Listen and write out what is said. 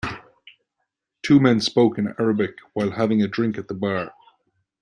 Two men spoke in Arabic while having a drink at the bar.